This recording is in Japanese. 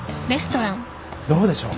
どうでしょう？